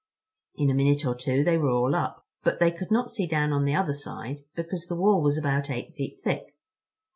In a minute or two they were all up, but they could not see down on the other side because the wall was about eight feet thick.